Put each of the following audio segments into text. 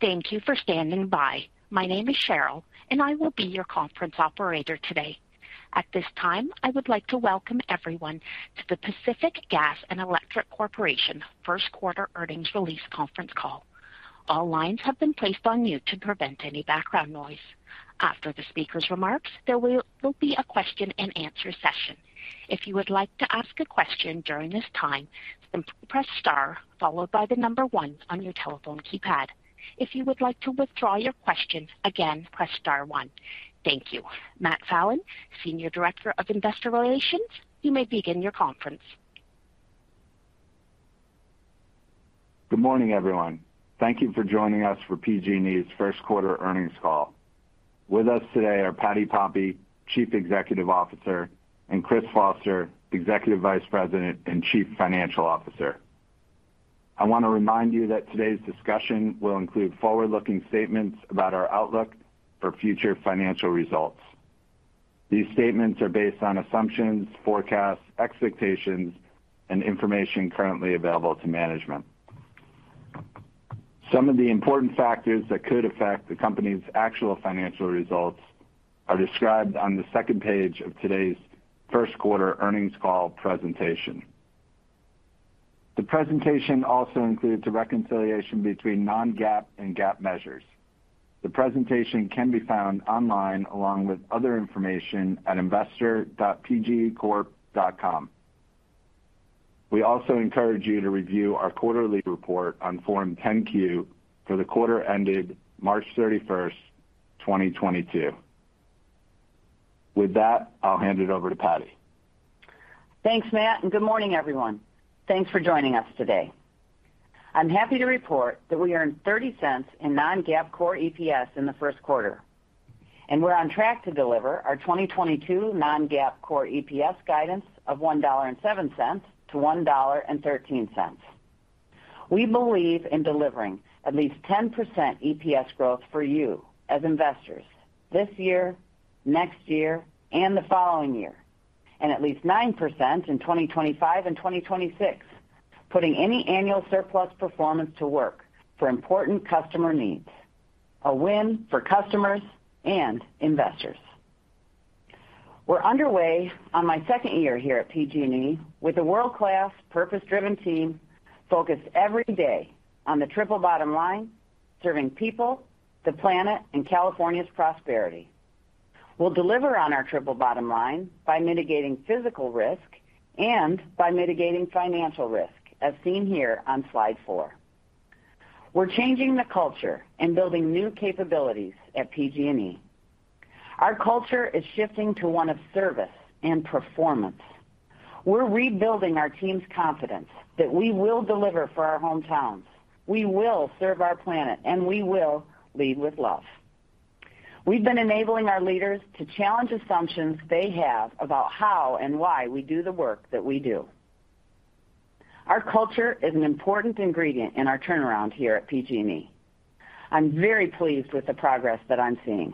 Thank you for standing by. My name is Cheryl, and I will be your conference operator today. At this time, I would like to welcome everyone to the Pacific Gas and Electric Corporation Q1 earnings release conference call. All lines have been placed on mute to prevent any background noise. After the speaker's remarks, there will be a question-and-answer session. If you would like to ask a question during this time, simply press star followed by the number one on your telephone keypad. If you would like to withdraw your question, again, press star one. Thank you. Matt Fallon, Senior Director of Investor Relations, you may begin your conference. Good morning, everyone. Thank you for joining us for PG&E's Q1 earnings call. With us today are Patti Poppe, Chief Executive Officer, and Chris Foster, Executive Vice President and Chief Financial Officer. I want to remind you that today's discussion will include forward-looking statements about our outlook for future financial results. These statements are based on assumptions, forecasts, expectations, and information currently available to management. Some of the important factors that could affect the company's actual financial results are described on the second page of today's Q1 earnings call presentation. The presentation also includes a reconciliation between non-GAAP and GAAP measures. The presentation can be found online along with other information at investor.pgecorp.com. We also encourage you to review our quarterly report on Form 10-Q for the quarter ended March 31st, 2022. With that, I'll hand it over to Patti. Thanks, Matt, and good morning, everyone. Thanks for joining us today. I'm happy to report that we earned $0.30 in non-GAAP core EPS in the Q1, and we're on track to deliver our 2022 non-GAAP core EPS guidance of $1.07 to $1.13. We believe in delivering at least 10% EPS growth for you as investors this year, next year, and the following year, and at least 9% in 2025 and 2026, putting any annual surplus performance to work for important customer needs, a win for customers and investors. We're underway on my second year here at PG&E with a world-class, purpose-driven team focused every day on the triple bottom line, serving people, the planet, and California's prosperity. We'll deliver on our triple bottom line by mitigating physical risk and by mitigating financial risk as seen here on slide 4. We're changing the culture and building new capabilities at PG&E. Our culture is shifting to one of service and performance. We're rebuilding our team's confidence that we will deliver for our hometowns. We will serve our planet, and we will lead with love. We've been enabling our leaders to challenge assumptions they have about how and why we do the work that we do. Our culture is an important ingredient in our turnaround here at PG&E. I'm very pleased with the progress that I'm seeing.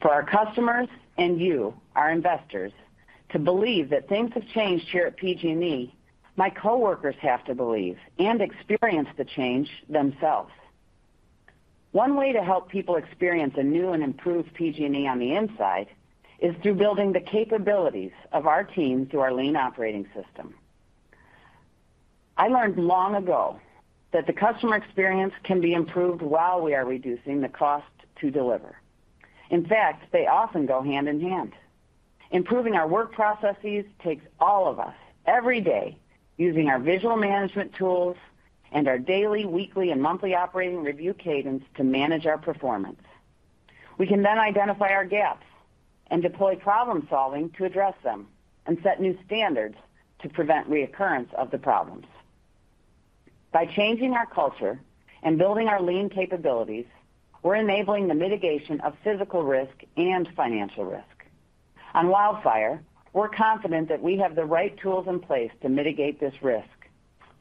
For our customers and you, our investors, to believe that things have changed here at PG&E, my coworkers have to believe and experience the change themselves. One way to help people experience a new and improved PG&E on the inside is through building the capabilities of our team through our Lean operating system. I learned long ago that the customer experience can be improved while we are reducing the cost to deliver. In fact, they often go hand in hand. Improving our work processes takes all of us every day using our visual management tools and our daily, weekly, and monthly operating review cadence to manage our performance. We can then identify our gaps and deploy problem-solving to address them and set new standards to prevent reoccurrence of the problems. By changing our culture and building our Lean capabilities, we're enabling the mitigation of physical risk and financial risk. On wildfire, we're confident that we have the right tools in place to mitigate this risk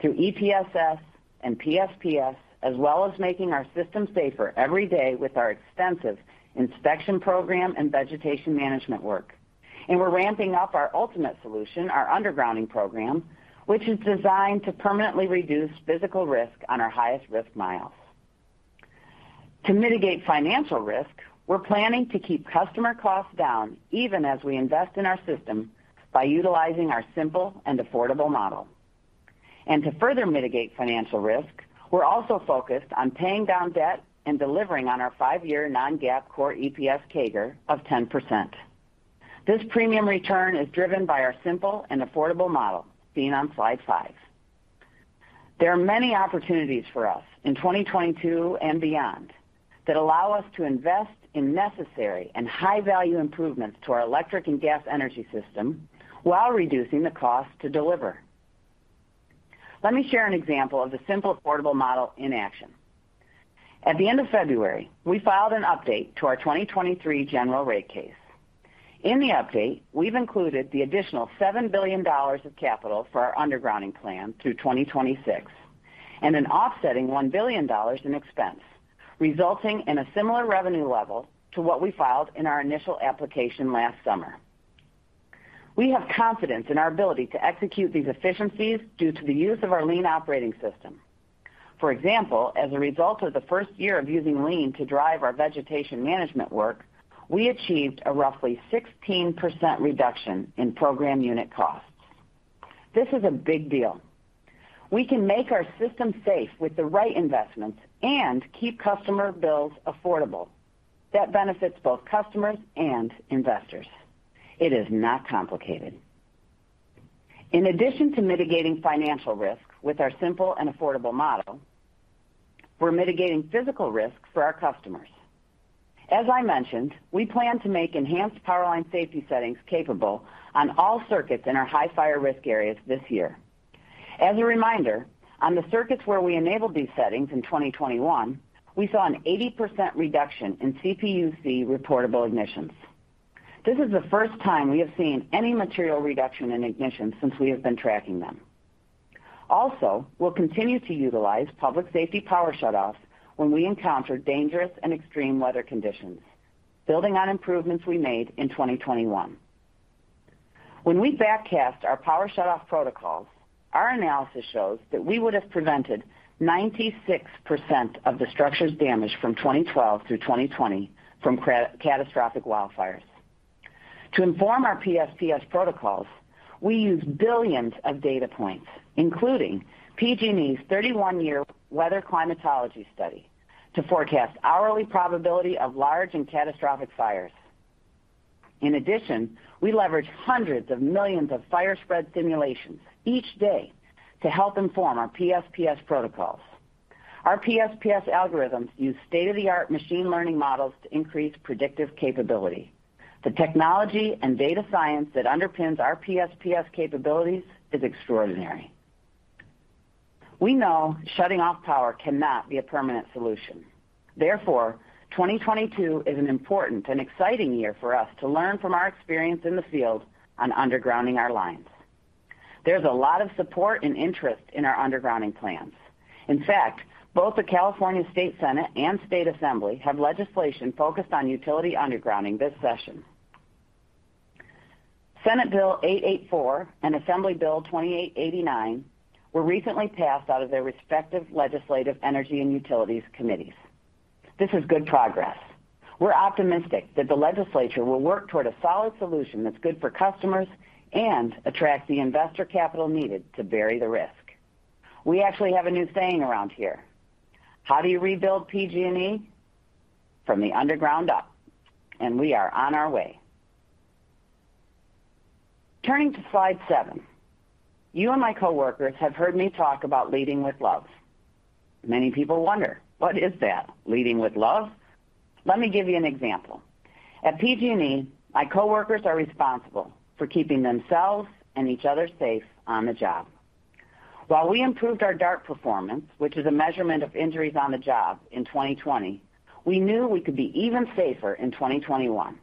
through EPSS and PSPS, as well as making our system safer every day with our extensive inspection program and vegetation management work. We're ramping up our ultimate solution, our undergrounding program, which is designed to permanently reduce physical risk on our highest risk miles. To mitigate financial risk, we're planning to keep customer costs down even as we invest in our system by utilizing our simple and affordable model. To further mitigate financial risk, we're also focused on paying down debt and delivering on our five-year non-GAAP core EPS CAGR of 10%. This premium return is driven by our simple and affordable model seen on slide 5. There are many opportunities for us in 2022 and beyond that allow us to invest in necessary and high-value improvements to our electric and gas energy system while reducing the cost to deliver. Let me share an example of the simple, affordable model in action. At the end of February, we filed an update to our 2023 general rate case. In the update, we've included the additional $7 billion of capital for our undergrounding plan through 2026 and an offsetting $1 billion in expense, resulting in a similar revenue level to what we filed in our initial application last summer. We have confidence in our ability to execute these efficiencies due to the use of our lean operating system. For example, as a result of the first year of using lean to drive our vegetation management work, we achieved a roughly 16% reduction in program unit costs. This is a big deal. We can make our system safe with the right investments and keep customer bills affordable. That benefits both customers and investors. It is not complicated. In addition to mitigating financial risk with our simple and affordable model, we're mitigating physical risks for our customers. As I mentioned, we plan to make enhanced power line safety settings capable on all circuits in our high fire risk areas this year. As a reminder, on the circuits where we enabled these settings in 2021, we saw an 80% reduction in CPUC reportable ignitions. This is the first time we have seen any material reduction in ignition since we have been tracking them. Also, we'll continue to utilize public safety power shutoffs when we encounter dangerous and extreme weather conditions, building on improvements we made in 2021. When we backcast our power shutoff protocols, our analysis shows that we would have prevented 96% of the structures damaged from 2012 through 2020 from catastrophic wildfires. To inform our PSPS protocols, we use billions of data points, including PG&E's 31-year weather climatology study, to forecast hourly probability of large and catastrophic fires. In addition, we leverage hundreds of millions of fire spread simulations each day to help inform our PSPS protocols. Our PSPS algorithms use state-of-the-art machine learning models to increase predictive capability. The technology and data science that underpins our PSPS capabilities is extraordinary. We know shutting off power cannot be a permanent solution. Therefore, 2022 is an important and exciting year for us to learn from our experience in the field on undergrounding our lines. There's a lot of support and interest in our undergrounding plans. In fact, both the California State Senate and State Assembly have legislation focused on utility undergrounding this session. Senate Bill 884 and Assembly Bill 2889 were recently passed out of their respective legislative energy and utilities committees. This is good progress. We're optimistic that the legislature will work toward a solid solution that's good for customers and attract the investor capital needed to bury the risk. We actually have a new saying around here. How do you rebuild PG&E? From the underground up, and we are on our way. Turning to slide 7. You and my coworkers have heard me talk about leading with love. Many people wonder, what is that? Leading with love? Let me give you an example. At PG&E, my coworkers are responsible for keeping themselves and each other safe on the job. While we improved our DART performance, which is a measurement of injuries on the job in 2020, we knew we could be even safer in 2021.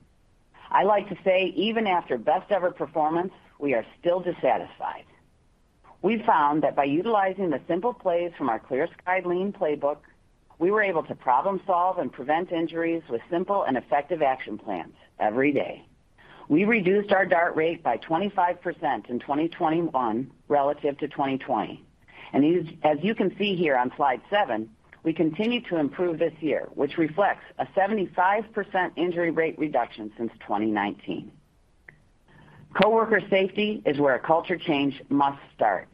I like to say even after best ever performance, we are still dissatisfied. We found that by utilizing the simple plays from our Clear Sky lean playbook, we were able to problem solve and prevent injuries with simple and effective action plans every day. We reduced our DART rate by 25% in 2021 relative to 2020. These, as you can see here on slide 7, we continue to improve this year, which reflects a 75% injury rate reduction since 2019. Coworker safety is where a culture change must start.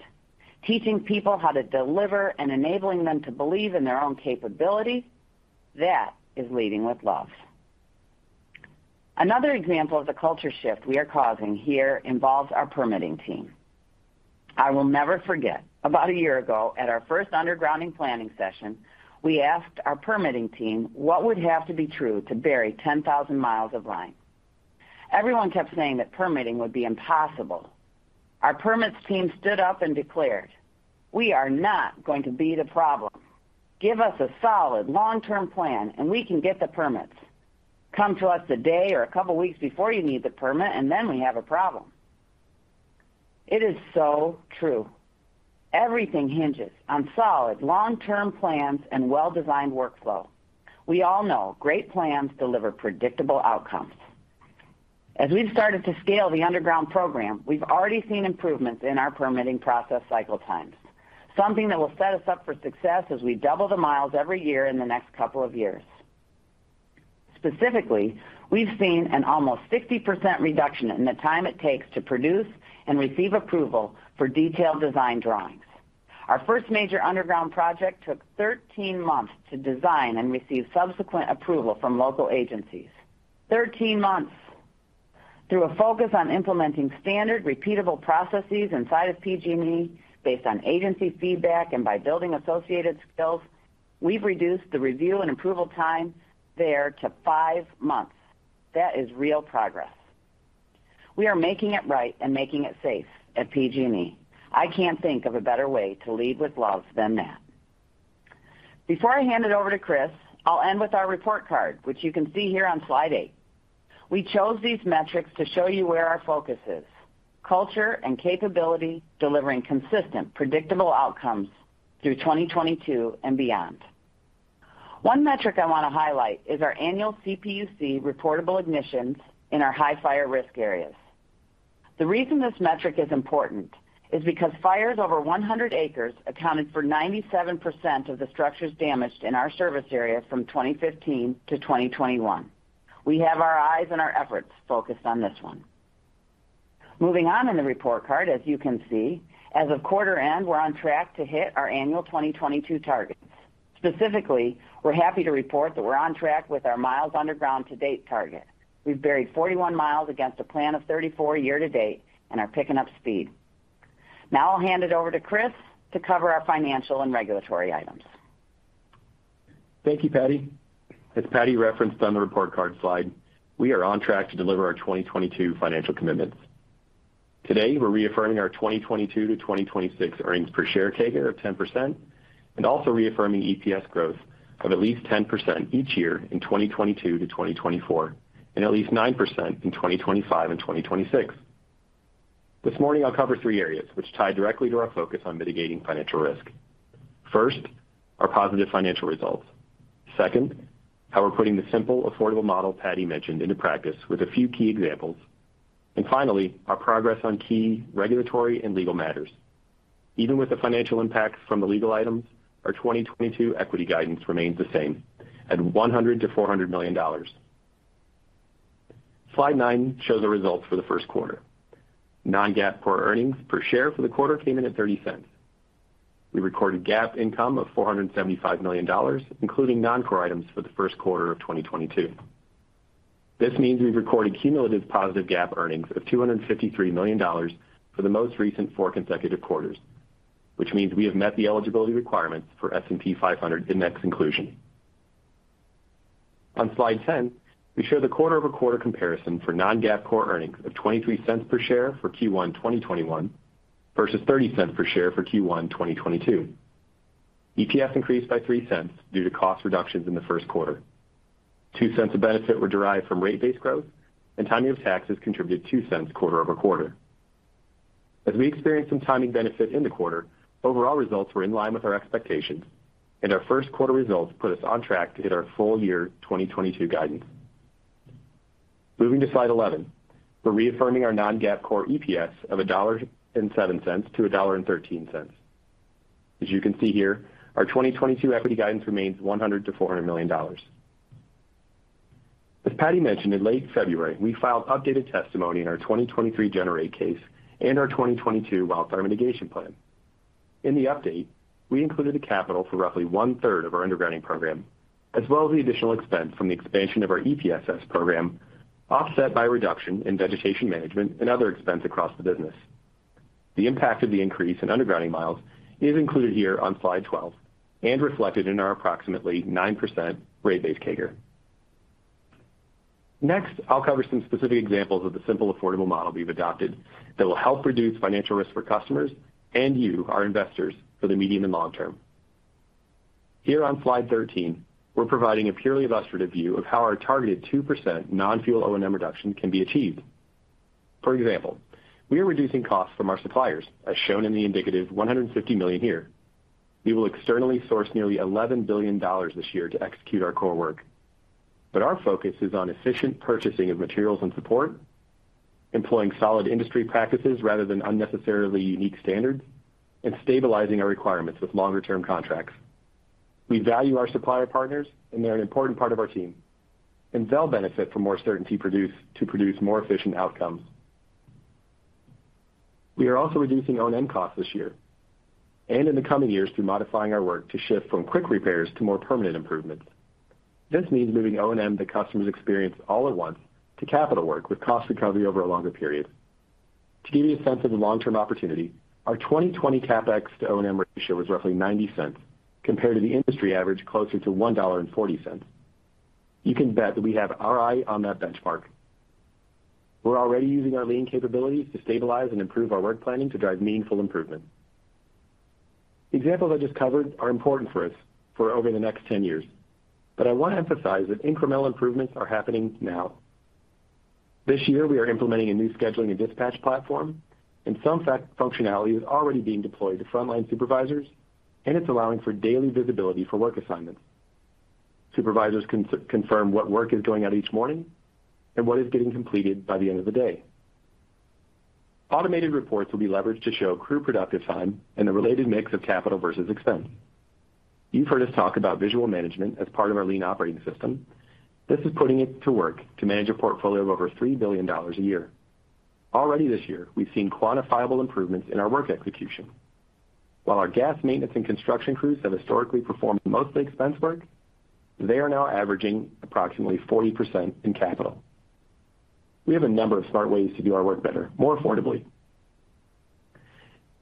Teaching people how to deliver and enabling them to believe in their own capability, that is leading with love. Another example of the culture shift we are causing here involves our permitting team. I will never forget about a year ago at our 1st undergrounding planning session, we asked our permitting team what would have to be true to bury 10,000 miles of line. Everyone kept saying that permitting would be impossible. Our permits team stood up and declared, "We are not going to be the problem. Give us a solid long-term plan, and we can get the permits. Come to us a day or a couple weeks before you need the permit, and then we have a problem." It is so true. Everything hinges on solid long-term plans and well-designed workflow. We all know great plans deliver predictable outcomes. As we've started to scale the underground program, we've already seen improvements in our permitting process cycle times, something that will set us up for success as we double the miles every year in the next couple of years. Specifically, we've seen an almost 60% reduction in the time it takes to produce and receive approval for detailed design drawings. Our first major underground project took 13 months to design and receive subsequent approval from local agencies. 13 months. Through a focus on implementing standard repeatable processes inside of PG&E based on agency feedback and by building associated skills, we've reduced the review and approval time there to 5 months. That is real progress. We are making it right and making it safe at PG&E. I can't think of a better way to lead with love than that. Before I hand it over to Chris, I'll end with our report card, which you can see here on slide 8. We chose these metrics to show you where our focus is, culture and capability, delivering consistent, predictable outcomes through 2022 and beyond. One metric I want to highlight is our annual CPUC reportable ignitions in our high fire risk areas. The reason this metric is important is because fires over 100 acres accounted for 97% of the structures damaged in our service area from 2015 to 2021. We have our eyes and our efforts focused on this one. Moving on in the report card, as you can see, as of quarter end, we're on track to hit our annual 2022 targets. Specifically, we're happy to report that we're on track with our miles underground to date target. We've buried 41 miles against a plan of 34 year to date and are picking up speed. Now I'll hand it over to Chris to cover our financial and regulatory items. Thank you, Patti. As Patti referenced on the report card slide, we are on track to deliver our 2022 financial commitments. Today, we're reaffirming our 2022-2026 earnings per share CAGR of 10% and also reaffirming EPS growth of at least 10% each year in 2022-2024, and at least 9% in 2025 and 2026. This morning I'll cover 3 areas which tie directly to our focus on mitigating financial risk. 1st, our positive financial results. 2nd, how we're putting the simple affordable model Patti mentioned into practice with a few key examples. Finally, our progress on key regulatory and legal matters. Even with the financial impacts from the legal items, our 2022 equity guidance remains the same at $100 million-$400 million. Slide 9 shows the results for the Q1. non-GAAP core earnings per share for the quarter came in at $0.30. We recorded GAAP income of $475 million, including non-core items for the Q1 of 2022. This means we've recorded cumulative positive GAAP earnings of $253 million for the most recent four consecutive quarters, which means we have met the eligibility requirements for S&P 500 index inclusion. On slide 10, we show the quarter-over-quarter comparison for non-GAAP core earnings of $0.23 per share for Q1 2021 versus $0.30 per share for Q1 2022. EPS increased by $0.03 due to cost reductions in the Q1. $0.02 of benefit were derived from rate-based growth and timing of taxes contributed $0.02 quarter-over -quarter. As we experienced some timing benefit in the quarter, overall results were in line with our expectations, and our Q1 results put us on track to hit our full-year 2022 guidance. Moving to slide 11, we're reaffirming our non-GAAP core EPS of $1.07-$1.13. As you can see here, our 2022 equity guidance remains $100 million-$400 million. As Patty mentioned, in late February, we filed updated testimony in our 2023 general rate case and our 2022 wildfire mitigation plan. In the update, we included the capital for roughly 1/3 of our undergrounding program, as well as the additional expense from the expansion of our EPSS program, offset by reduction in vegetation management and other expense across the business. The impact of the increase in undergrounding milesis included here on slide 12 and reflected in our approximately 9% rate-based CAGR. Next, I'll cover some specific examples of the simple affordable model we've adopted that will help reduce financial risk for customers and you, our investors, for the medium and long term. Here on slide 13, we're providing a purely illustrative view of how our targeted 2% non-fuel O&M reduction can be achieved. For example, we are reducing costs from our suppliers, as shown in the indicative $150 million here. We will externally source nearly $11 billion this year to execute our core work. Our focus is on efficient purchasing of materials and support, employing solid industry practices rather than unnecessarily unique standards, and stabilizing our requirements with longer-term contracts. We value our supplier partners, and they're an important part of our team, and they'll benefit from more certainty to produce more efficient outcomes. We are also reducing O&M costs this year and in the coming years through modifying our work to shift from quick repairs to more permanent improvements. This means moving O&M that the customers experience all at once to capital work with cost recovery over a longer period. To give you a sense of the long-term opportunity, our 2020 CapEx to O&M ratio was roughly 90 cents compared to the industry average closer to $1.40. You can bet that we have our eye on that benchmark. We're already using our lean capabilities to stabilize and improve our work planning to drive meaningful improvement. The examples I just covered are important for us for over the next 10 years, but I want to emphasize that incremental improvements are happening now. This year, we are implementing a new scheduling and dispatch platform, and some functionality is already being deployed to frontline supervisors, and it's allowing for daily visibility for work assignments. Supervisors confirm what work is going out each morning and what is getting completed by the end of the day. Automated reports will be leveraged to show crew productive time and the related mix of capital versus expense. You've heard us talk about visual management as part of our Lean operating system. This is putting it to work to manage a portfolio of over $3 billion a year. Already this year, we've seen quantifiable improvements in our work execution. While our gas maintenance and construction crews have historically performed mostly expense work, they are now averaging approximately 40% in capital. We have a number of smart ways to do our work better, more affordably.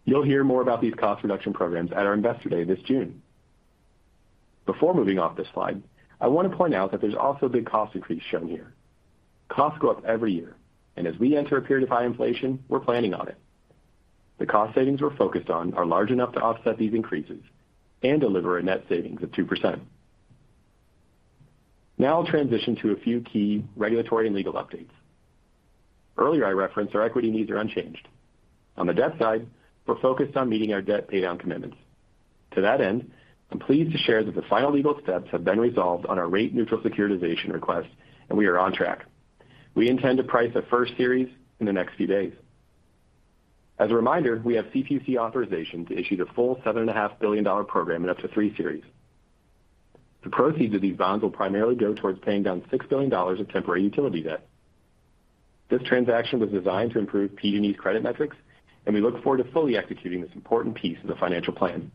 You'll hear more about these cost reduction programs at our investor day this June. Before moving off this slide, I want to point out that there's also a big cost increase shown here. Costs go up every year, and as we enter a period of high inflation, we're planning on it. The cost savings we're focused on are large enough to offset these increases and deliver a net savings of 2%. Now I'll transition to a few key regulatory and legal updates. Earlier I referenced our equity needs are unchanged. On the debt side, we're focused on meeting our debt paydown commitments. To that end, I'm pleased to share that the final legal steps have been resolved on our rate neutral securitization request, and we are on track. We intend to price the 1st series in the next few days. As a reminder, we have CPUC authorization to issue the full $7.5 billion program in up to 3 series. The proceeds of these bonds will primarily go towards paying down $6 billion of temporary utility debt. This transaction was designed to improve PG&E's credit metrics, and we look forward to fully executing this important piece of the financial plan.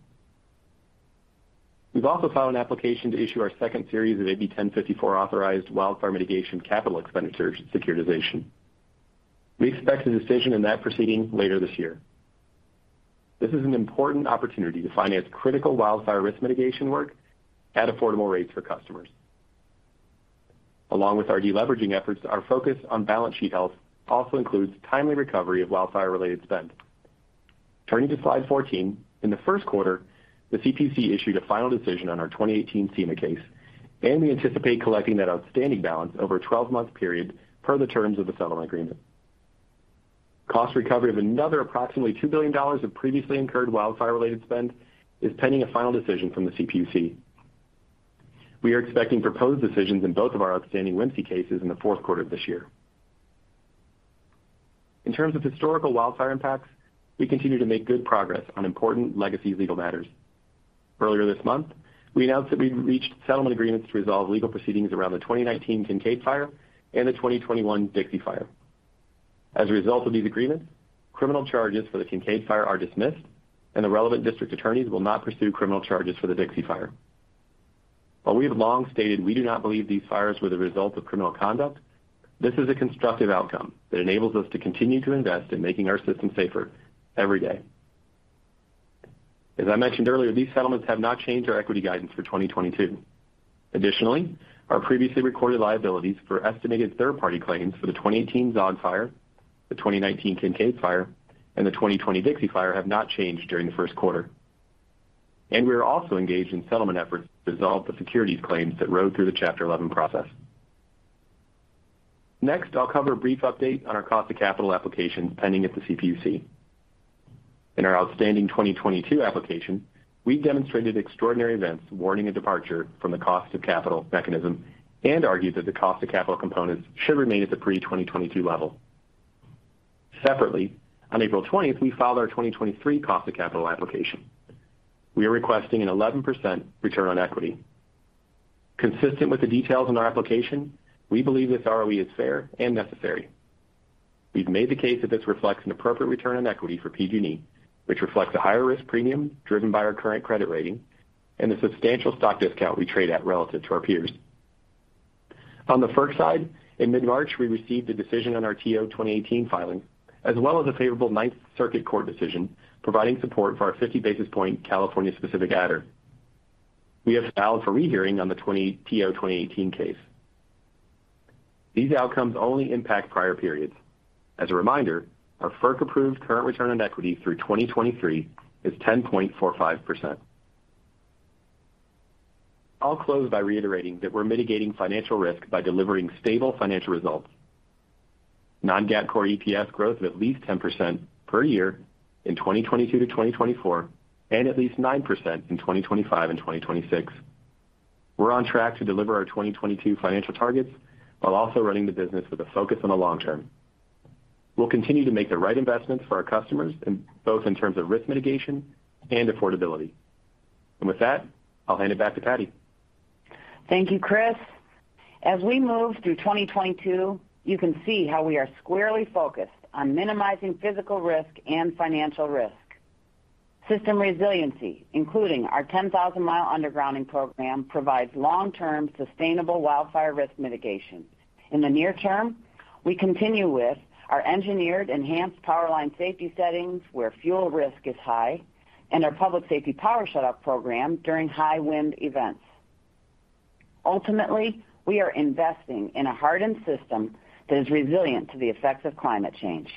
We've also filed an application to issue our 2nd series of AB 1054 authorized wildfire mitigation capital expenditures securitization. We expect a decision in that proceeding later this year. This is an important opportunity to finance critical wildfire risk mitigation work at affordable rates for customers. Along with our deleveraging efforts, our focus on balance sheet health also includes timely recovery of wildfire-related spend. Turning to slide 14. In the Q1, the CPUC issued a final decision on our 2018 CEMA case, and we anticipate collecting that outstanding balance over a 12-month period per the terms of the settlement agreement. Cost recovery of another approximately $2 billion of previously incurred wildfire-related spend is pending a final decision from the CPUC. We are expecting proposed decisions in both of our outstanding WIMS cases in the Q4 of this year. In terms of historical wildfire impacts, we continue to make good progress on important legacy legal matters. Earlier this month, we announced that we've reached settlement agreements to resolve legal proceedings around the 2019 Kincade Fire and the 2021 Dixie Fire. As a result of these agreements, criminal charges for the Kincade Fire are dismissed, and the relevant district attorneys will not pursue criminal charges for the Dixie Fire. While we have long stated we do not believe these fires were the result of criminal conduct, this is a constructive outcome that enables us to continue to invest in making our system safer every day. As I mentioned earlier, these settlements have not changed our equity guidance for 2022. Additionally, our previously recorded liabilities for estimated 3rd-party claims for the 2018 Zogg Fire, the 2019 Kincade Fire, and the 2020 Dixie Fire have not changed during the Q1. We are also engaged in settlement efforts to resolve the securities claims that rode through the Chapter 11 process. Next, I'll cover a brief update on our cost of capital application pending at the CPUC. In our outstanding 2022 application, we demonstrated extraordinary events warranting a departure from the cost of capital mechanism and argued that the cost of capital components should remain at the pre-2022 level. Separately, on April 20th, we filed our 2023 cost of capital application. We are requesting an 11% return on equity. Consistent with the details in our application, we believe this ROE is fair and necessary. We've made the case that this reflects an appropriate return on equity for PG&E, which reflects a higher risk premium driven by our current credit rating and the substantial stock discount we trade at relative to our peers. On the FERC side, in mid-March, we received a decision on our TO 2018 filing, as well as a favorable Ninth Circuit Court decision providing support for our 50 basis point California specific adder. We have filed for rehearing on the TO18 case. These outcomes only impact prior periods. As a reminder, our FERC-approved current return on equity through 2023 is 10.45%. I'll close by reiterating that we're mitigating financial risk by delivering stable financial results. non-GAAP core EPS growth of at least 10% per year in 2022-2024, and at least 9% in 2025 and 2026. We're on track to deliver our 2022 financial targets while also running the business with a focus on the long term. We'll continue to make the right investments for our customers, in both terms of risk mitigation and affordability. With that, I'll hand it back to Patti. Thank you, Chris. As we move through 2022, you can see how we are squarely focused on minimizing physical risk and financial risk. System resiliency, including our 10,000-mile undergrounding program, provides long-term, sustainable wildfire risk mitigation. In the near term, we continue with our engineered enhanced power line safety settings where fuel risk is high and our public safety power shutoff program during high wind events. Ultimately, we are investing in a hardened system that is resilient to the effects of climate change.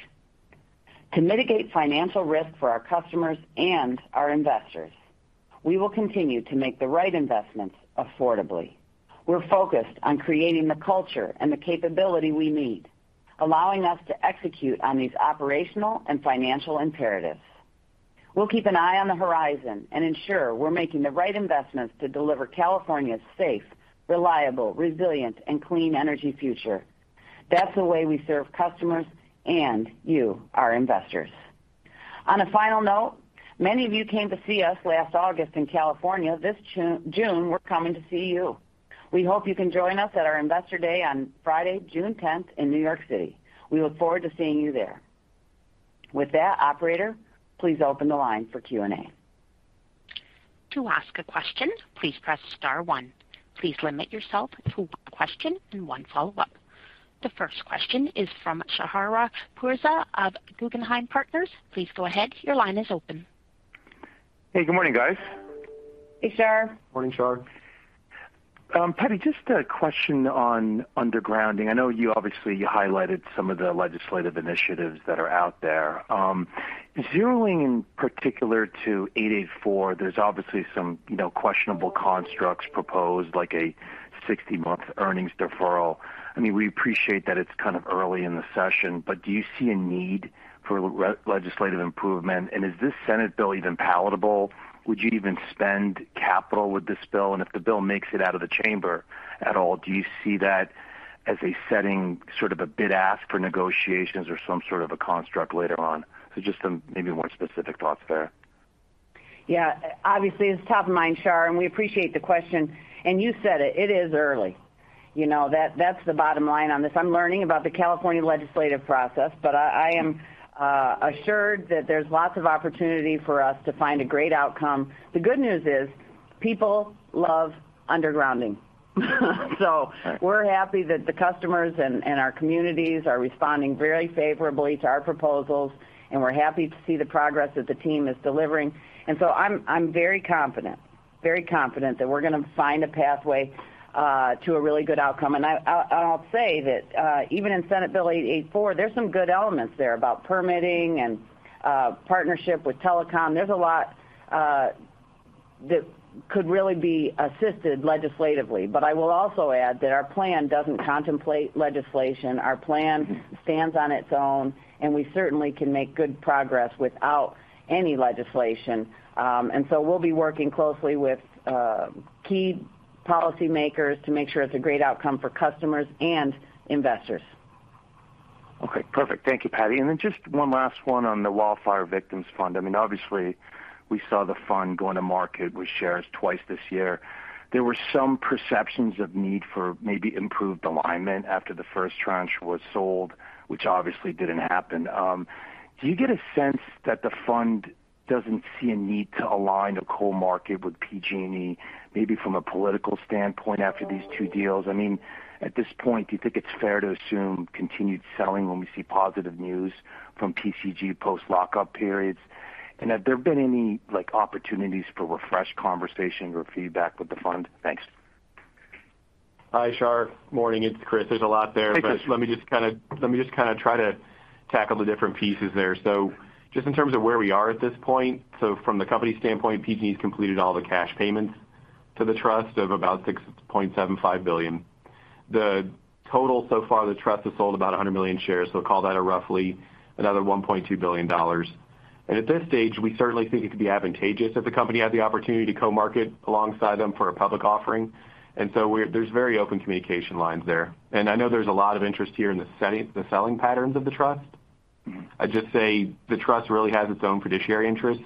To mitigate financial risk for our customers and our investors, we will continue to make the right investments affordably. We're focused on creating the culture and the capability we need, allowing us to execute on these operational and financial imperatives. We'll keep an eye on the horizon and ensure we're making the right investments to deliver California's safe, reliable, resilient, and clean energy future. That's the way we serve customers and you, our investors. On a final note, many of you came to see us last August in California. This June, we're coming to see you. We hope you can join us at our Investor Day on Friday, June 10th in New York City. We look forward to seeing you there. With that, operator, please open the line for Q&A. To ask a question, please press star 1. Please limit yourself to one question and one follow-up. The 1st question is from Shahriar Pourreza of Guggenheim Partners. Please go ahead. Your line is open. Hey, good morning, guys. Hey, Shar. Morning, Shar. Patty, just a question on undergrounding. I know you obviously highlighted some of the legislative initiatives that are out there. Zeroing in particular to 884, there's obviously some, you know, questionable constructs proposed, like a 60-month earnings deferral. I mean, we appreciate that it's kind of early in the session, but do you see a need for legislative improvement? Is this Senate Bill even palatable? Would you even spend capital with this bill? If the bill makes it out of the chamber at all, do you see that as a setting, sort of a bid ask for negotiations or some sort of a construct later on? Just some maybe more specific thoughts there. Yeah. Obviously, it's top of mind, Shar, and we appreciate the question. You said it is early. You know, that's the bottom line on this. I'm learning about the California legislative process, but I am assured that there's lots of opportunity for us to find a great outcome. The good news is people love undergrounding. We're happy that the customers and our communities are responding very favorably to our proposals, and we're happy to see the progress that the team is delivering. I'm very confident that we're going to find a pathway to a really good outcome. I'll say that even in Senate Bill 884, there's some good elements there about permitting and partnership with telecom. There's a lot that could really be assisted legislatively. I will also add that our plan doesn't contemplate legislation. Our plan stands on its own, and we certainly can make good progress without any legislation. We'll be working closely with key policymakers to make sure it's a great outcome for customers and investors. Okay, perfect. Thank you, Patti. Then just one last one on the Fire Victim Trust. I mean, obviously we saw the fund go into market with shares twice this year. There were some perceptions of need for maybe improved alignment after the first tranche was sold, which obviously didn't happen. Do you get a sense that the fund doesn't see a need to align a co-market with PG&E, maybe from a political standpoint after these two deals? I mean, at this point, do you think it's fair to assume continued selling when we see positive news from PCG post lockup periods? Have there been any, like, opportunities for refreshed conversation or feedback with the fund? Thanks. Hi, Shar. Morning, it's Chris. There's a lot there. Hey, Chris. Let me kind try to tackle the different pieces there. Just in terms of where we are at this point, from the company standpoint, PG&E has completed all the cash payments to the trust of about $6.75 billion. The total so far, the trust has sold about 100 million shares. Call that roughly another $1.2 billion. At this stage, we certainly think it could be advantageous if the company had the opportunity to co-market alongside them for a public offering. There's very open communication lines there. I know there's a lot of interest here in the selling patterns of the trust. I'd just say the trust really has its own fiduciary interests,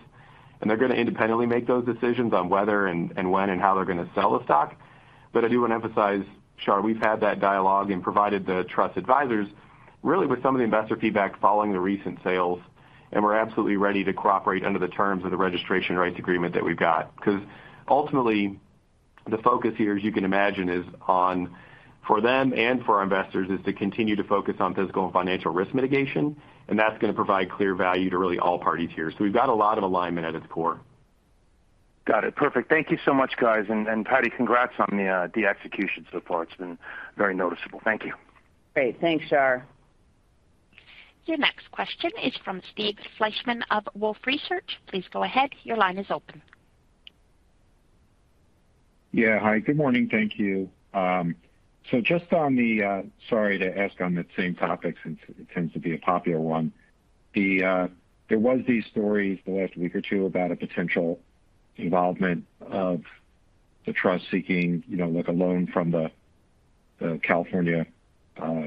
and they're going independently make those decisions on whether and when and how they're going to sell the stock. But I do want to emphasize, Shar, we've had that dialogue and provided the trust advisors really with some of the investor feedback following the recent sales, and we're absolutely ready to cooperate under the terms of the registration rights agreement that we've got. 'Cause ultimately, the focus here, as you can imagine, is on, for them and for our investors, is to continue to focus on physical and financial risk mitigation, and that's going to provide clear value to really all parties here. So we've got a lot of alignment at its core. Got it. Perfect. Thank you so much, guys. Patti, congrats on the execution so far. It's been very noticeable. Thank you. Great. Thanks, Shar. Your next question is from Steve Fleishman of Wolfe Research. Please go ahead. Your line is open. Yeah. Hi, good morning. Thank you. So just on the, sorry to ask on the same topic since it tends to be a popular one. There was these stories the last week or two about a potential involvement of the trust seeking, you know, like, a loan from the California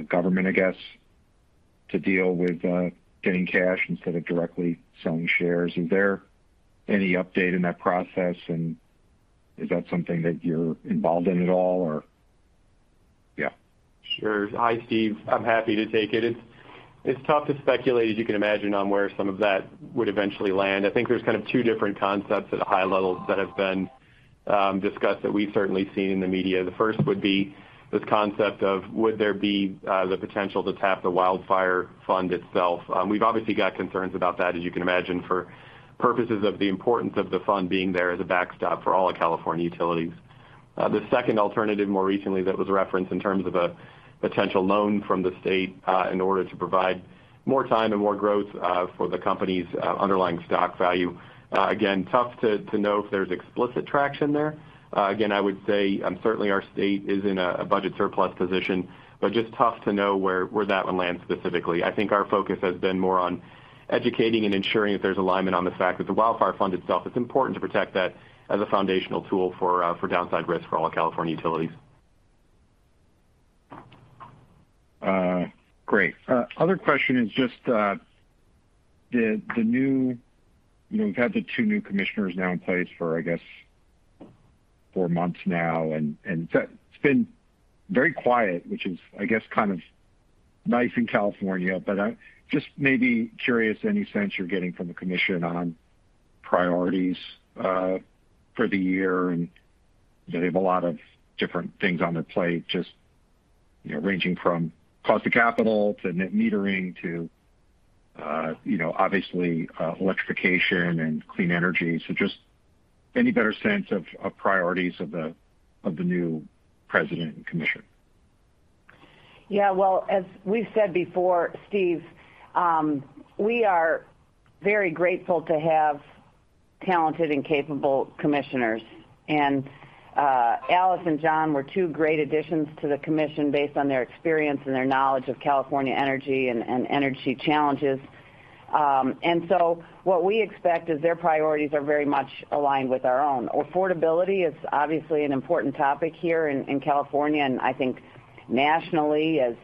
government, I guess, to deal with getting cash instead of directly selling shares. Is there any update in that process, and is that something that you're involved in at all or? Yeah. Sure. Hi, Steve. I'm happy to take it. It's tough to speculate, as you can imagine, on where some of that would eventually land. I think there's kind of 2 different concepts at a high level that have been discussed that we've certainly seen in the media. The first would be this concept of the potential to tap the Wildfire Fund itself. We've obviously got concerns about that, as you can imagine, for purposes of the importance of the fund being there as a backstop for all of California utilities. The second alternative more recently that was referenced in terms of a potential loan from the state, in order to provide more time and more growth, for the company's underlying stock value. Again, tough to know if there's explicit traction there. Again, I would say, certainly our state is in a budget surplus position, but just tough to know where that one lands specifically. I think our focus has been more on educating and ensuring that there's alignment on the fact that the Wildfire Fund itself, it's important to protect that as a foundational tool for downside risk for all of California utilities. Great. Other question is just the new, you know, we've had the 2 new commissioners now in place for, I guess, 4 months now, and it's been very quiet, which is, I guess, kind of nice in California, but just maybe curious any sense you're getting from the commission on priorities for the year, and they have a lot of different things on their plate, just. You know, ranging from cost of capital to net metering to, you know, obviously, electrification and clean energy. Just any better sense of the new president and commission? Yeah. Well, as we've said before, Steve, we are very grateful to have talented and capable commissioners. Alice and John were 2 great additions to the commission based on their experience and their knowledge of California energy and energy challenges. What we expect is their priorities are very much aligned with our own. Affordability is obviously an important topic here in California, and I think nationally as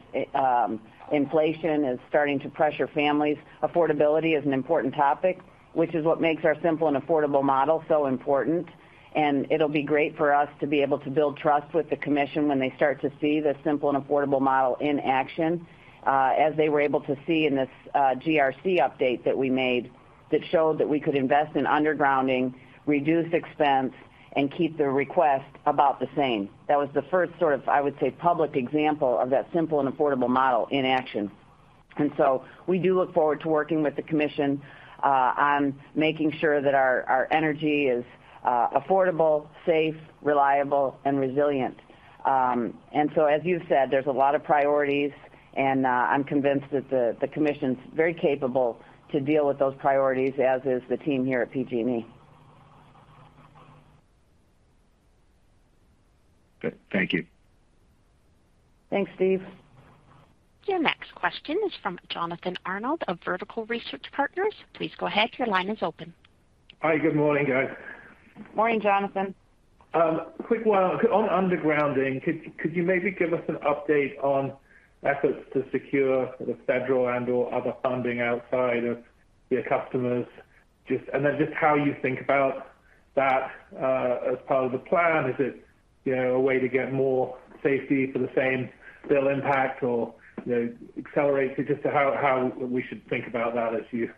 inflation is starting to pressure families, affordability is an important topic, which is what makes our simple and affordable model so important. It'll be great for us to be able to build trust with the commission when they start to see the simple and affordable model in action, as they were able to see in this GRC update that we made that showed that we could invest in undergrounding, reduce expense, and keep the request about the same. That was the first sort of, I would say, public example of that simple and affordable model in action. We do look forward to working with the commission on making sure that our energy is affordable, safe, reliable and resilient. As you said, there's a lot of priorities and I'm convinced that the commission's very capable to deal with those priorities, as is the team here at PG&E. Good. Thank you. Thanks, Steve. Your next question is from Jonathan Arnold of Vertical Research Partners. Please go ahead. Your line is open. Hi. Good morning, guys. Morning, Jonathan. Quick one. On undergrounding, could you maybe give us an update on efforts to secure the federal and/or other funding outside of your customers? Just how you think about that as part of the plan. Is it, you know, a way to get more safety for the same bill impact or, you know, accelerate to just how we should think about that as you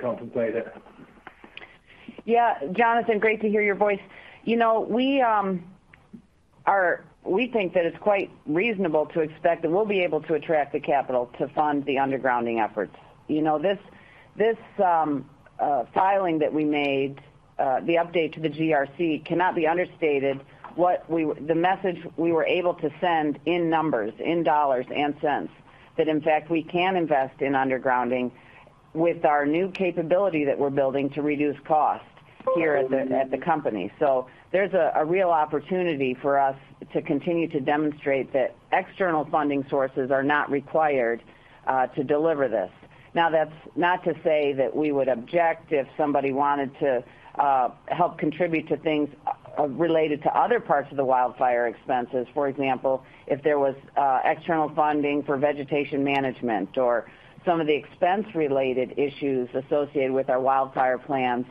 contemplate it? Yeah. Jonathan, great to hear your voice. You know, we think that it's quite reasonable to expect that we'll be able to attract the capital to fund the undergrounding efforts. You know, this filing that we made, the update to the GRC cannot be understated, the message we were able to send in numbers, in dollars and cents, that in fact we can invest in undergrounding with our new capability that we're building to reduce costs here at the company. There's a real opportunity for us to continue to demonstrate that external funding sources are not required to deliver this. Now, that's not to say that we would object if somebody wanted to help contribute to things related to other parts of the wildfire expenses. For example, if there was external funding for vegetation management or some of the expense-related issues associated with our wildfire plans,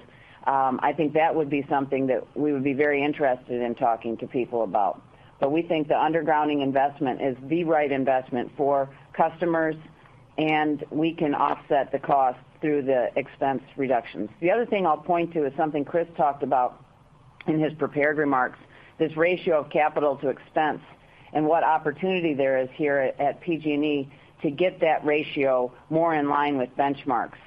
I think that would be something that we would be very interested in talking to people about. We think the undergrounding investment is the right investment for customers, and we can offset the cost through the expense reductions. The other thing I'll point to is something Chris talked about in his prepared remarks, this ratio of capital to expense and what opportunity there is here at PG&E to get that ratio more in line with benchmarks.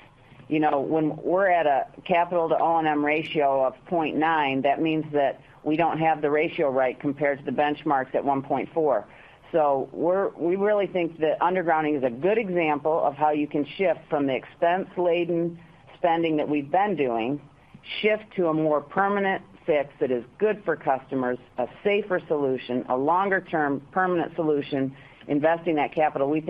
You know, when we're at a capital-to-O&M ratio of 0.9, that means that we don't have the ratio right compared to the benchmarks at 1.4. We really think that undergrounding is a good example of how you can shift from the expense-laden spending that we've been doing, shift to a more permanent fix that is good for customers, a safer solution, a longer-term permanent solution, investing that capital. We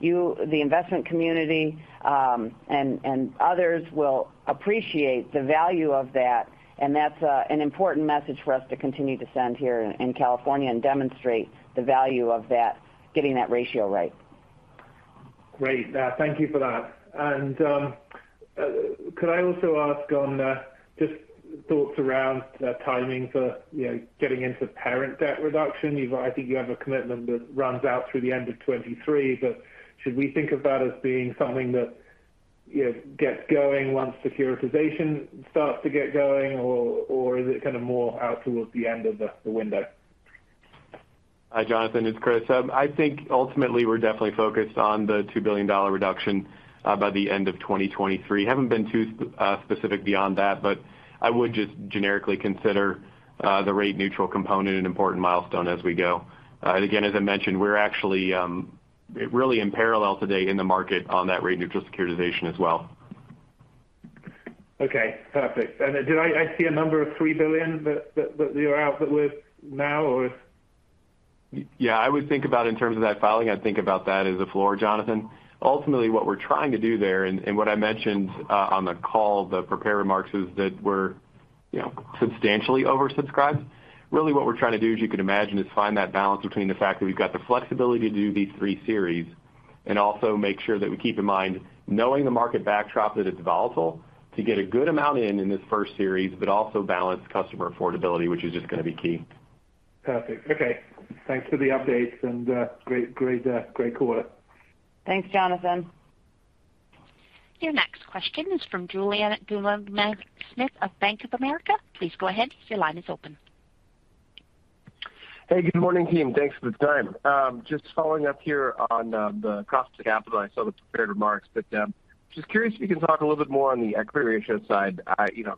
think you, the investment community, and others will appreciate the value of that, and that's an important message for us to continue to send here in California and demonstrate the value of that, getting that ratio right. Great. Thank you for that. Could I also ask on just thoughts around timing for, you know, getting into parent debt reduction? I think you have a commitment that runs out through the end of 2023, but should we think of that as being something that, you know, gets going once securitization starts to get going or is it kind of more out towards the end of the window? Hi, Jonathan. It's Chris. I think ultimately we're definitely focused on the $2 billion reduction by the end of 2023. Haven't been too specific beyond that, but I would just generically consider the rate neutral component an important milestone as we go. Again, as I mentioned, we're actually really in parallel today in the market on that rate neutral securitization as well. Okay. Perfect. Did I see $3 billion that you're out with now or is... Yeah, I would think about in terms of that filing, I'd think about that as a floor, Jonathan. Ultimately, what we're trying to do there and what I mentioned on the call, the prepared remarks, is that we're, you know, substantially oversubscribed. Really what we're trying to do, as you can imagine, is find that balance between the fact that we've got the flexibility to do these three series and also make sure that we keep in mind, knowing the market backdrop that it's volatile, to get a good amount in this first series, but also balance customer affordability, which is just going to be key. Perfect. Okay. Thanks for the updates and, great quarter. Thanks, Jonathan. Your next question is from Julien Dumoulin-Smith of Bank of America. Please go ahead. Your line is open. Hey, good morning, team. Thanks for the time. Just following up here on the cost of capital. I saw the prepared remarks, but just curious if you can talk a little bit more on the equity ratio side. You know,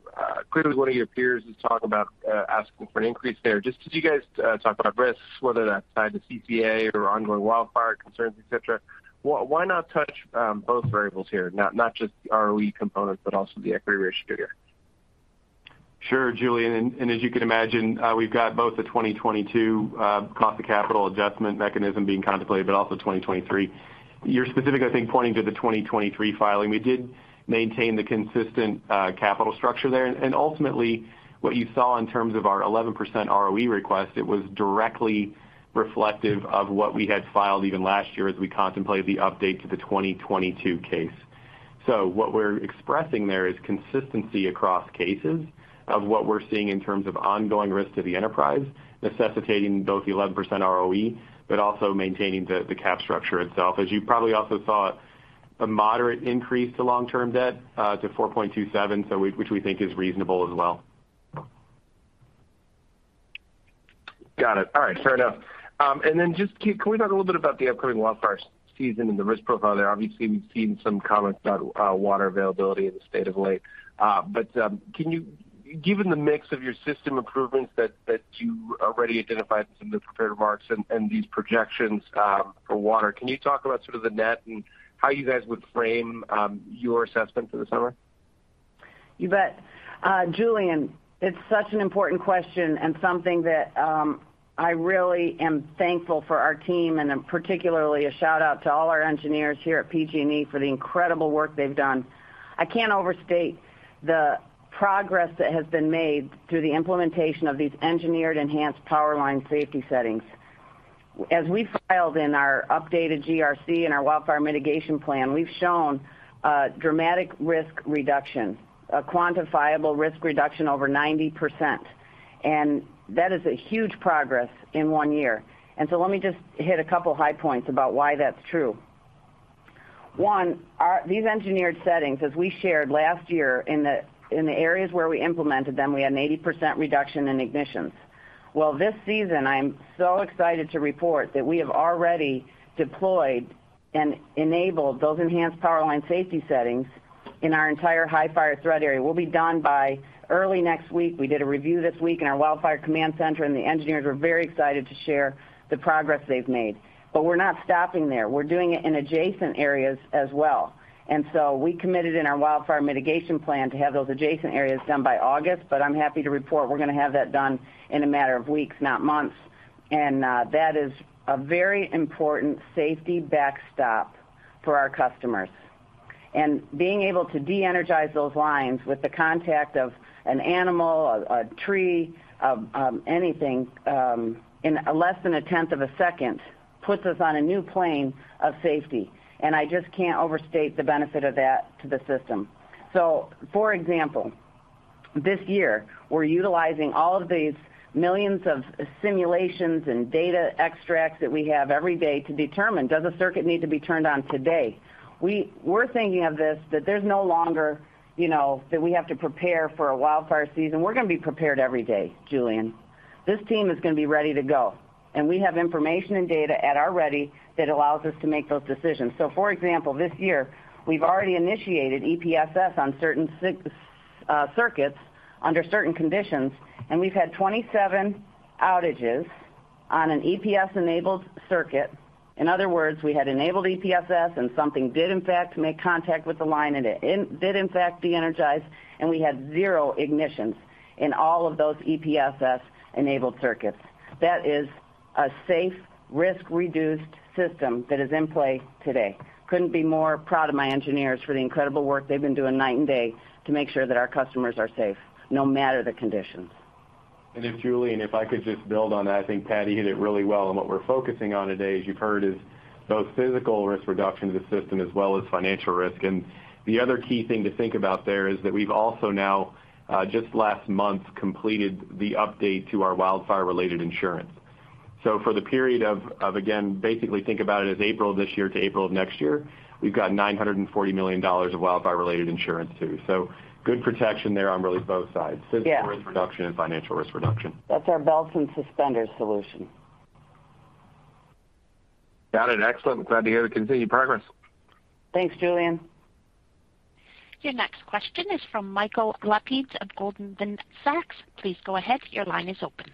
clearly one of your peers is talking about asking for an increase there. Did you guys talk about risks, whether that's tied to CPUC or ongoing wildfire concerns, et cetera? Why not touch both variables here, not just the ROE component but also the equity ratio here? Sure, Julien. As you can imagine, we've got both the 2022 cost of capital adjustment mechanism being contemplated, but also 2023. You're specifically, I think, pointing to the 2023 filing. We did maintain the consistent capital structure there, and ultimately what you saw in terms of our 11% ROE request, it was directly reflective of what we had filed even last year as we contemplated the update to the 2022 case. What we're expressing there is consistency across cases of what we're seeing in terms of ongoing risk to the enterprise, necessitating both the 11% ROE but also maintaining the capital structure itself. As you probably also saw a moderate increase to long-term debt to 4.27, which we think is reasonable as well. Got it. All right, fair enough. And then just can we talk a little bit about the upcoming wildfire season and the risk profile there? Obviously, we've seen some comments about water availability in the state of late. But can you... Given the mix of your system improvements that you already identified in some of the prepared remarks and these projections for water, can you talk about sort of the net and how you guys would frame your assessment for the summer? You bet. Julian, it's such an important question and something that, I really am thankful for our team, and then particularly a shout-out to all our engineers here at PG&E for the incredible work they've done. I can't overstate the progress that has been made through the implementation of these engineered enhanced power line safety settings. As we filed in our updated GRC and our wildfire mitigation plan, we've shown a dramatic risk reduction, a quantifiable risk reduction over 90%. That is a huge progress in 1 year. Let me just hit a couple high points about why that's true. 1, these engineered settings, as we shared last year in the areas where we implemented them, we had an 80% reduction in ignitions. Well, this season, I am so excited to report that we have already deployed and enabled those enhanced power line safety settings in our entire high fire threat area. We'll be done by early next week. We did a review this week in our wildfire command center, and the engineers were very excited to share the progress they've made. We're not stopping there. We're doing it in adjacent areas as well. We committed in our wildfire mitigation plan to have those adjacent areas done by August, but I'm happy to report we're going to have that done in a matter of weeks, not months. That is a very important safety backstop for our customers. Being able to de-energize those lines with the contact of an animal, a tree, anything, in less than a tenth of a second puts us on a new plane of safety. I just can't overstate the benefit of that to the system. For example, this year, we're utilizing all of these millions of simulations and data extracts that we have every day to determine, does a circuit need to be turned on today? We're thinking that there's no longer, you know, that we have to prepare for a wildfire season. We're going to be prepared every day, Julien. This team is going to be ready to go, and we have information and data at our ready that allows us to make those decisions. For example, this year, we've already initiated EPSS on certain circuits under certain conditions, and we've had 27 outages on an EPSS-enabled circuit. In other words, we had enabled EPSS, and something did in fact make contact with the line, and it did in fact de-energize, and we had zero ignitions in all of those EPSS-enabled circuits. That is a safe, risk-reduced system that is in play today. Couldn't be more proud of my engineers for the incredible work they've been doing night and day to make sure that our customers are safe no matter the conditions. Julien, if I could just build on that. I think Patti hit it really well, and what we're focusing on today, as you've heard, is both physical risk reduction to the system as well as financial risk. The other key thing to think about there is that we've also now just last month completed the update to our wildfire-related insurance. For the period of again, basically think about it as April this year to April of next year, we've got $940 million of wildfire-related insurance, too. Good protection there on really both sides. Yeah. Physical risk reduction and financial risk reduction. That's our belts and suspenders solution. Got it. Excellent. Glad to hear the continued progress. Thanks, Julien. Your next question is from Michael Lapides of Goldman Sachs. Please go ahead. Your line is open.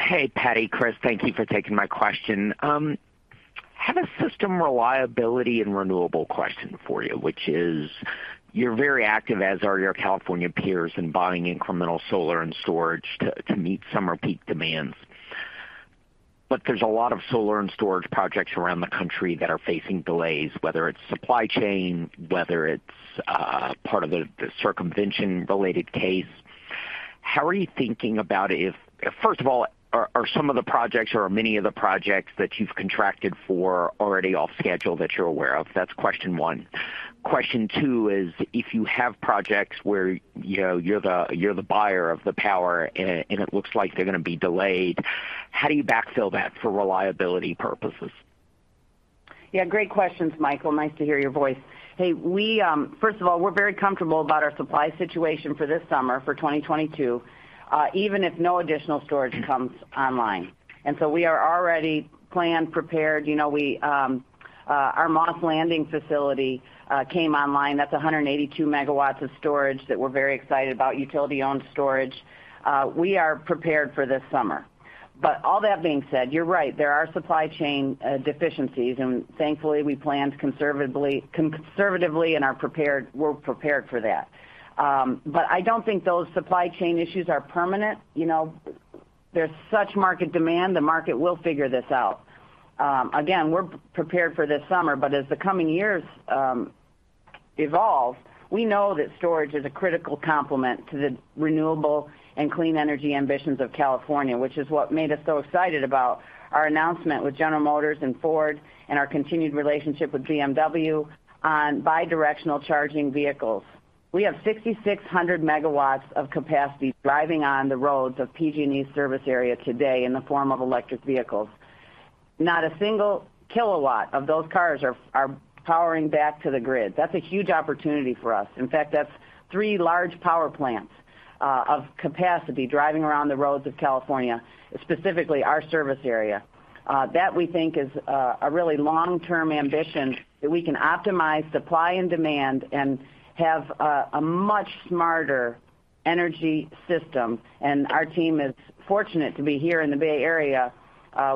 Hey, Patti, Chris, thank you for taking my question. Had a system reliability and renewable question for you, which is you're very active, as are your California peers, in buying incremental solar and storage to meet summer peak demands. There's a lot of solar and storage projects around the country that are facing delays, whether it's supply chain, whether it's part of the circumvention-related case. How are you thinking about. First of all, are some of the projects or are many of the projects that you've contracted for already off schedule that you're aware of? That's question 1. Question 2 is, if you have projects where, you know, you're the buyer of the power and it looks like they're going to be delayed. How do you backfill that for reliability purposes? Yeah, great questions, Michael. Nice to hear your voice. Hey, we first of all, we're very comfortable about our supply situation for this summer for 2022, even if no additional storage comes online. We are already planned, prepared. You know, we our Moss Landing facility came online. That's 182 MW of storage that we're very excited about, utility-owned storage. We are prepared for this summer. All that being said, you're right, there are supply chain deficiencies, and thankfully, we planned conservatively and are prepared for that. I don't think those supply chain issues are permanent. You know, there's such market demand, the market will figure this out. We're prepared for this summer, but as the coming years evolve, we know that storage is a critical complement to the renewable and clean energy ambitions of California, which is what made us so excited about our announcement with General Motors and Ford and our continued relationship with BMW on bi-directional charging vehicles. We have 6,600 megawatts of capacity driving on the roads of PG&E service area today in the form of electric vehicles. Not a single kilowatt of those cars are powering back to the grid. That's a huge opportunity for us. In fact, that's three large power plants of capacity driving around the roads of California, specifically our service area. That we think is a really long-term ambition that we can optimize supply and demand and have a much smarter energy system. Our team is fortunate to be here in the Bay Area,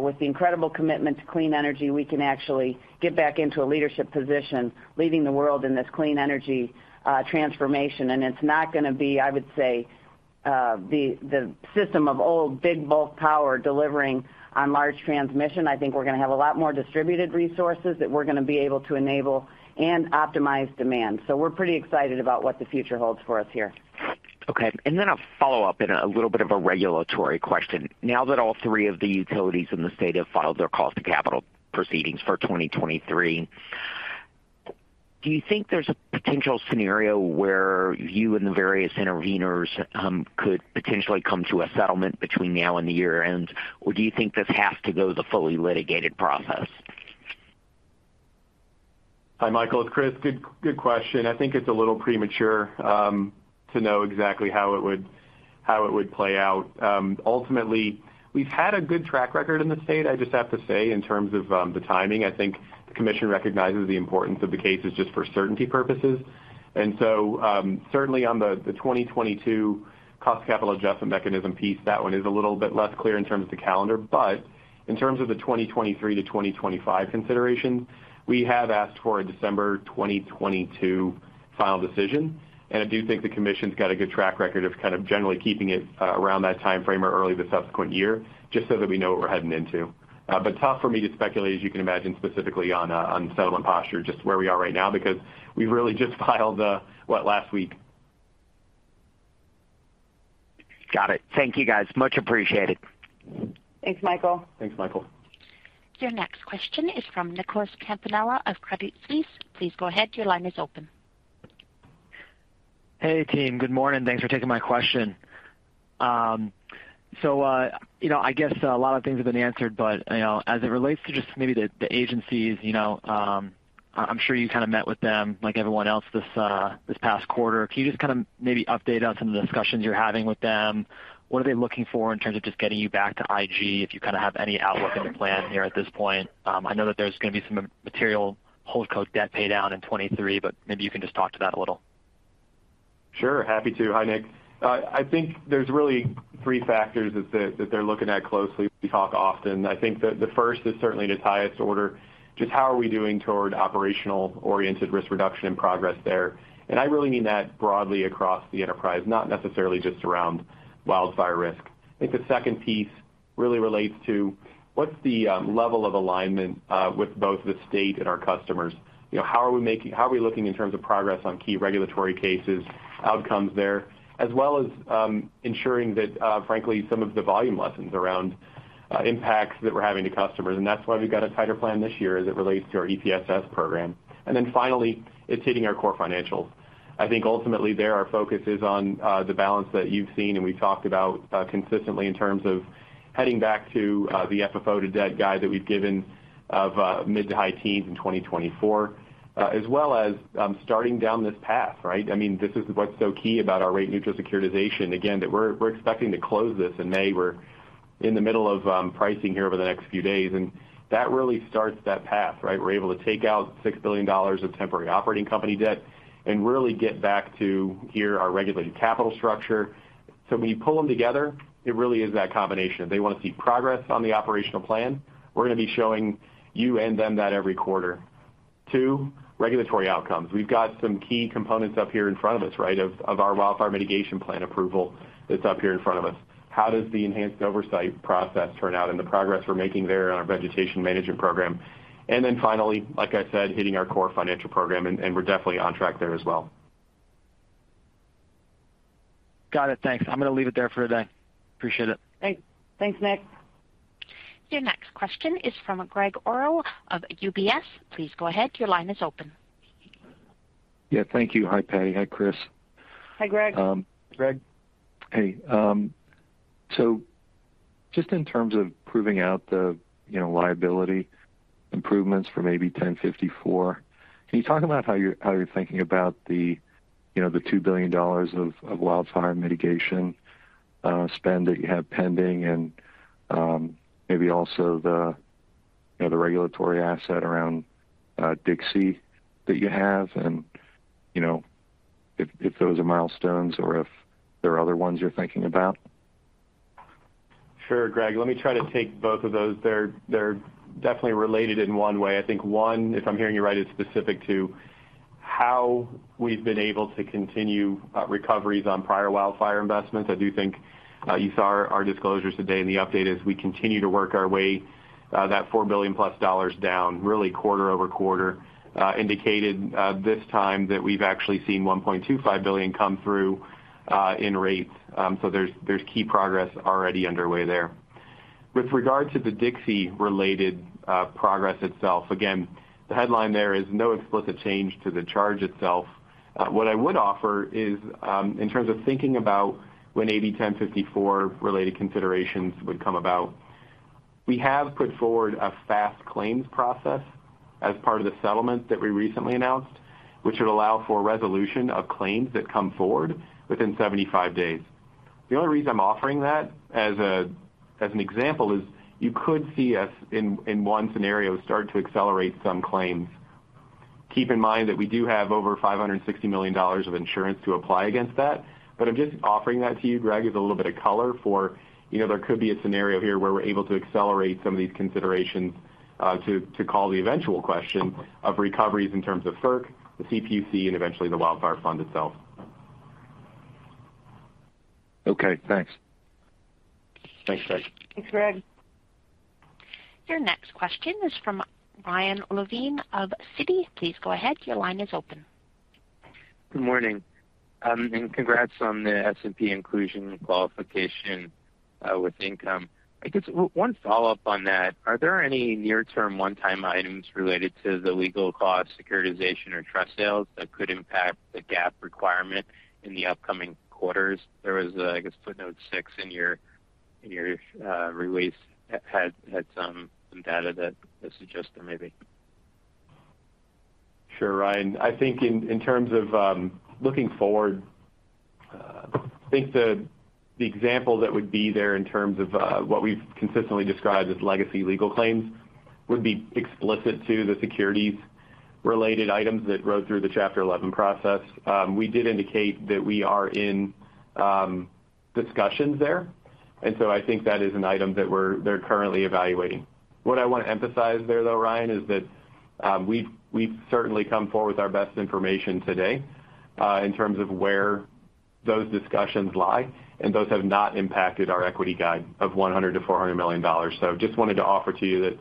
with the incredible commitment to clean energy, we can actually get back into a leadership position, leading the world in this clean energy, transformation. It's not going to be, I would say, the system of old big bulk power delivering on large transmission. I think we're going to have a lot more distributed resources that we're going to be able to enable and optimize demand. We're pretty excited about what the future holds for us here. Okay. A follow-up and a little bit of a regulatory question. Now that all 3 of the utilities in the state have filed their cost of capital proceedings for 2023, do you think there's a potential scenario where you and the various interveners could potentially come to a settlement between now and the year-end? Or do you think this has to go the fully litigated process? Hi, Michael, it's Chris. Good question. I think it's a little premature to know exactly how it would play out. Ultimately, we've had a good track record in the state, I just have to say, in terms of the timing. I think the commission recognizes the importance of the cases just for certainty purposes. Certainly on the 2022 cost of capital adjustment mechanism piece, that one is a little bit less clear in terms of the calendar. But in terms of the 2023 to 2025 consideration, we have asked for a December 2022 final decision. I do think the commission's got a good track record of kind of generally keeping it around that timeframe or early the subsequent year, just so that we know what we're heading into. Tough for me to speculate, as you can imagine, specifically on settlement posture, just where we are right now because we've really just filed last week. Got it. Thank you, guys. Much appreciated. Thanks, Michael. Thanks, Michael. Your next question is from Nicholas Campanella of Credit Suisse. Please go ahead. Your line is open. Hey, team. Good morning. Thanks for taking my question. You know, I guess a lot of things have been answered, but you know, as it relates to just maybe the agencies, you know, I'm sure you kind met with them like everyone else this past quarter. Can you just kind maybe update on some of the discussions you're having with them? What are they looking for in terms of just getting you back to IG, if you kind have any outlook in the plan here at this point? I know that there's going tto be some material holds debt paydown in 2023, but maybe you can just talk to that a little. Sure. Happy to. Hi, Nick. I think there's really three factors that they're looking at closely. We talk often. I think the 1st is certainly in its highest order, just how are we doing toward operational-oriented risk reduction and progress there? I really mean that broadly across the enterprise, not necessarily just around wildfire risk. I think the 2nd piece really relates to what's the level of alignment with both the state and our customers? How are we looking in terms of progress on key regulatory cases, outcomes there, as well as ensuring that, frankly, some of the valuable lessons around impacts that we're having to customers. That's why we've got a tighter plan this year as it relates to our EPSS program. Then finally, it's hitting our core financials. I think ultimately there, our focus is on the balance that you've seen and we've talked about consistently in terms of heading back to the FFO to debt guide that we've given of mid- to high-teens in 2024, as well as starting down this path, right? I mean, this is what's so key about our rate neutral securitization. Again, we're expecting to close this in May. We're in the middle of pricing here over the next few days, and that really starts that path, right? We're able to take out $6 billion of temporary operating company debt and really get back to our regulated capital structure. When you pull them together, it really is that combination. They want to see progress on the operational plan. We're going to be showing you and them that every quarter. 2, regulatory outcomes. We've got some key components up here in front of us, right, of our wildfire mitigation plan approval that's up here in front of us. How does the enhanced oversight process turn out and the progress we're making there on our vegetation management program? Then finally, like I said, hitting our core financial program, and we're definitely on track there as well. Got it. Thanks. I'm going to leave it there for today. Appreciate it. Thanks. Thanks, Nick. Your next question is from Gregg Orrill of UBS. Please go ahead. Your line is open. Yeah, thank you. Hi, Patti. Hi, Chris. Hi, Greg. Um. Greg. Hey. Just in terms of proving out the, you know, liability improvements for maybe AB 1054, can you talk about how you're thinking about the, you know, the $2 billion of wildfire mitigation spend that you have pending and, maybe also the, you know, the regulatory asset around Dixie that you have and, you know, if those are milestones or if there are other ones you're thinking about? Sure, Greg, let me try to take both of those. They're definitely related in one way. I think one, if I'm hearing you right, is specific to how we've been able to continue recoveries on prior wildfire investments. I do think you saw our disclosures today in the update as we continue to work our way that $4 billion down really quarter over quarter indicated this time that we've actually seen $1.25 billion come through in rates. So there's key progress already underway there. With regard to the Dixie-related progress itself, again, the headline there is no explicit change to the charge itself. What I would offer is, in terms of thinking about when AB 1054 related considerations would come about, we have put forward a fast claims process as part of the settlement that we recently announced, which would allow for resolution of claims that come forward within 75 days. The only reason I'm offering that as an example is you could see us in one scenario start to accelerate some claims. Keep in mind that we do have over $560 million of insurance to apply against that, but I'm just offering that to you, Greg, as a little bit of color for, you know, there could be a scenario here where we're able to accelerate some of these considerations, to call the eventual question of recoveries in terms of FERC, the CPUC, and eventually the Wildfire Fund itself. Okay, thanks. Thanks, Greg. Thanks, Greg. Your next question is from Ryan Levine of Citi. Please go ahead. Your line is open. Good morning, congrats on the S&P inclusion qualification with income. I guess one follow-up on that, are there any near-term one-time items related to the legal cost securitization or trust sales that could impact the GAAP requirement in the upcoming quarters? There was, I guess, a footnote 6 in your release that had some data that suggested maybe. Sure, Ryan. I think in terms of looking forward, I think the example that would be there in terms of what we've consistently described as legacy legal claims would be explicit to the securities related items that rode through the Chapter 11 process. We did indicate that we are in discussions there. I think that is an item that they're currently evaluating. What I want to emphasize there, though, Ryan, is that we've certainly come forward with our best information today in terms of where those discussions lie, and those have not impacted our equity guide of $100 million-$400 million. Just wanted to offer to you that, you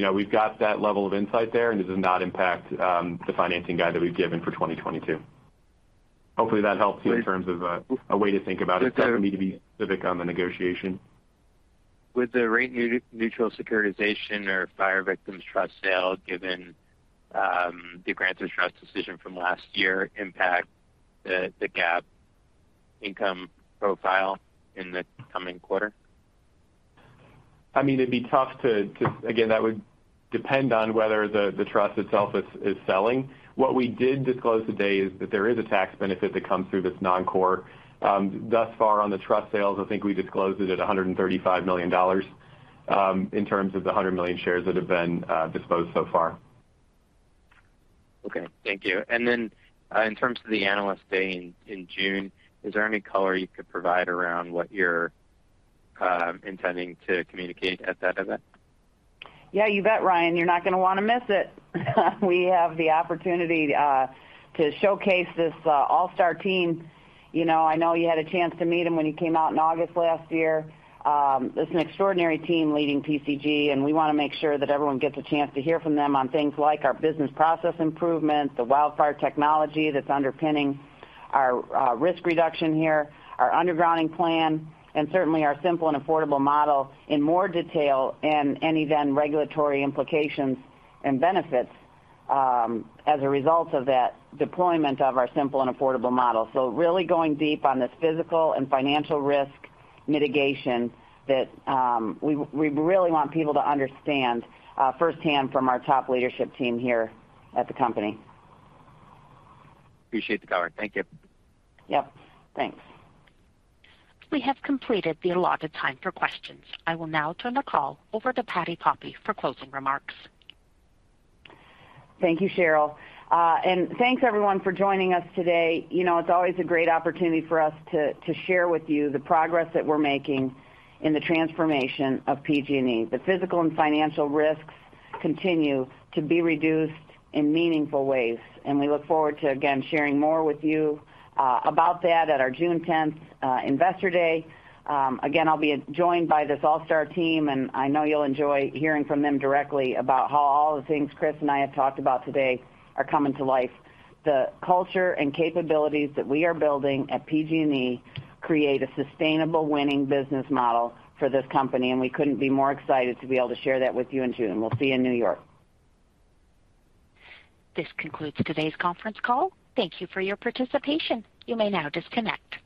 know, we've got that level of insight there, and this does not impact the financing guide that we've given for 2022. Hopefully that helps you in terms of a way to think about it for me to be specific on the negotiation. With the rate neutral securitization or Fire Victim Trust sale given, the grant of trust decision from last year impact the GAAP income profile in the coming quarter? I mean, it'd be tough to. Again, that would depend on whether the trust itself is selling. What we did disclose today is that there is a tax benefit that comes through this non-core. Thus far on the trust sales, I think we disclosed it at $135 million, in terms of the 100 million shares that have been disposed so far. Okay. Thank you. In terms of the Analyst Day in June, is there any colour you could provide around what you're intending to communicate at that event? Yeah, you bet, Ryan. You're not going to miss it. We have the opportunity to showcase this all-star team. You know, I know you had a chance to meet them when you came out in August last year. It's an extraordinary team leading PCG, and we want to make sure that everyone gets a chance to hear from them on things like our business process improvement, the wildfire technology that's underpinning our risk reduction here, our undergrounding plan, and certainly our simple and affordable model in more detail and then regulatory implications and benefits as a result of that deployment of our simple and affordable model. Really going deep on this physical and financial risk mitigation that we really want people to understand firsthand from our top leadership team here at the company. Appreciate the color. Thank you. Yep. Thanks. We have completed the allotted time for questions. I will now turn the call over to Patti Poppe for closing remarks. Thank you, Cheryl. Thanks everyone for joining us today. You know, it's always a great opportunity for us to share with you the progress that we're making in the transformation of PG&E. The physical and financial risks continue to be reduced in meaningful ways, and we look forward to again sharing more with you about that at our June 10th, Investor Day. Again, I'll be joined by this all-star team, and I know you'll enjoy hearing from them directly about how all the things Chris and I have talked about today are coming to life. The culture and capabilities that we are building at PG&E create a sustainable winning business model for this company, and we couldn't be more excited to be able to share that with you in June. We'll see you in New York. This concludes today's conference call. Thank you for your participation. You may now disconnect.